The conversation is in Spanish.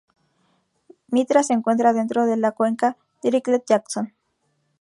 Mitra se encuentra dentro de la Cuenca Dirichlet-Jackson.